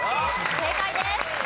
正解です。